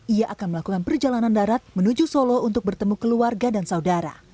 ia akan melakukan perjalanan darat menuju solo untuk bertemu keluarga dan saudara